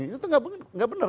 itu gak benar